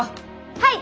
はい！